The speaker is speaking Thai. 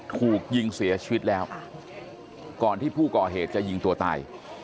ถูกยิงเสียชีวิตแล้วก่อนที่ผู้ก่อเหตุจะยิงตัวตาย